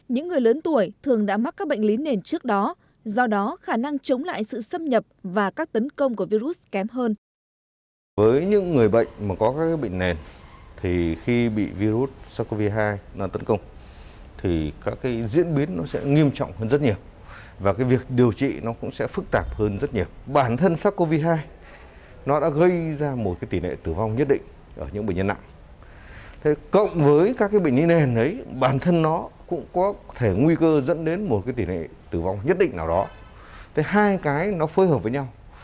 những người lớn tuổi thường đã mắc các bệnh lý nền trước đó do đó khả năng chống lại sự xâm nhập và các tấn công của virus kém hơn